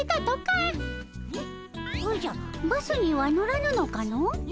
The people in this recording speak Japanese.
おじゃバスには乗らぬのかの？